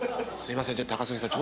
高杉さん